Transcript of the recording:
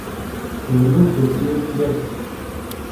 قوری و کتری پیرکس